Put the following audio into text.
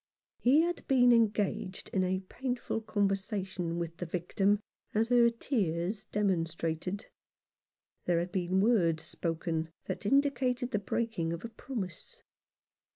He had been engaged in a painful conversation with the victim, as her tears demonstrated. There had been words spoken that indicated the breaking of a promise.